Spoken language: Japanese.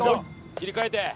切り替えて！